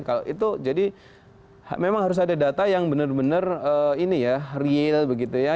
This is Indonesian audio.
kalau itu jadi memang harus ada data yang benar benar ini ya real begitu ya